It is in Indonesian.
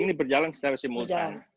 ini berjalan secara simultan